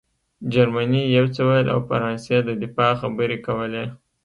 جرمني یو څه ویل او فرانسې د دفاع خبرې کولې